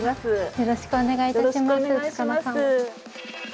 よろしくお願いします。